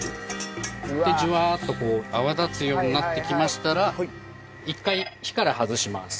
でジュワーッとこう泡立つようになってきましたら一回火から外します。